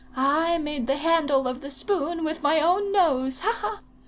I made the handle of the spoon with my own nose, ha! ha!"